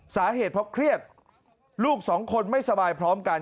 สาเหตุเพราะเครียดลูกสองคนไม่สบายพร้อมกัน